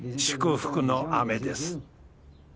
祝福の雨です。